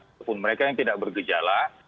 ataupun mereka yang tidak bergejala